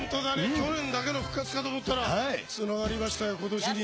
去年だけの復活かと思ったら、つながりましたよ、ことしに。